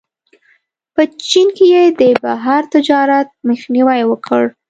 په چین کې یې د بهر تجارت مخنیوی وکړ.